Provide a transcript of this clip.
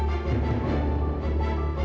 menunjukan di daerah